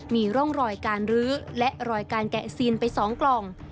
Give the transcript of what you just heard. มีร่องรอยการรื้อและรอยการแกะซีนไป๒กล่อง